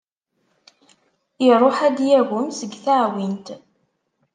Iruḥ ad d-yagem seg teɛwint.